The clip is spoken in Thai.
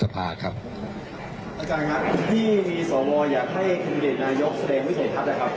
อเจมส์อาจารย์ครับที่สวอยอยากให้คุณเกดนายกแสดงวิทยาลัยทัศน์นะครับ